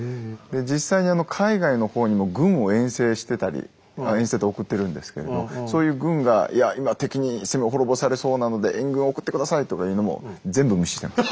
実際に海外の方にも軍を遠征してたり遠征で送ってるんですけれどそういう軍が「いや今敵に攻め滅ぼされそうなので援軍を送って下さい」とかいうのも全部無視してます。